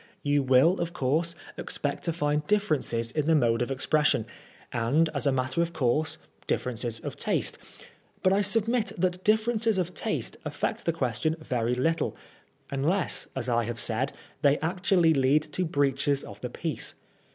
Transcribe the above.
You will, of course, expect to find differences in the mode of expres sion, and as a matter of course, differences of taste ; but I sub AT THE OLD BAILEY. 71 mit that differences of taste affect the question yeiy little, unless, as I have said, they actually lead to breaches of the peace.